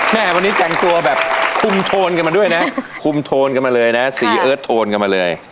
แม่วันนี้แต่งตัวแบบคุมโทนกันมาด้วยนะคุมโทนกันมาเลยนะสีเอิร์ทโทนกันมาเลย